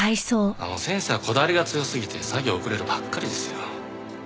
あの先生はこだわりが強すぎて作業遅れるばっかりですよ。